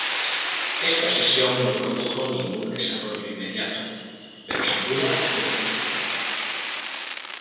Esta sesión no produjo ningún desarrollo inmediato, pero sin duda fue un precedente.